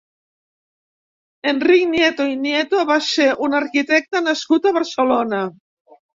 Enric Nieto i Nieto va ser un arquitecte nascut a Barcelona.